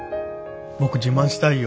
僕自慢したいよ